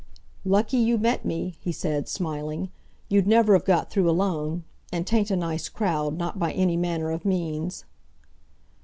"Lucky you met me," he said, smiling. "You'd never have got through alone. And 'tain't a nice crowd, not by any manner of means."